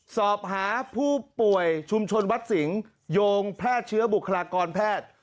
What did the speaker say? สอบหาผู้ป่วยชุมชนวัดสิงห์โยงแพร่เชื้อบุคลากรแพทย์